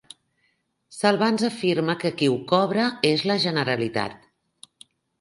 Salvans afirma que qui ho cobra és la Generalitat.